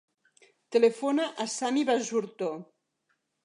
Telefona al Sami Basurto.